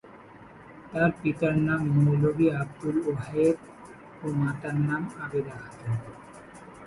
তার পিতার নাম মৌলভি আবদুল ওয়াহেদ ও মাতার নাম আবিদা খাতুন।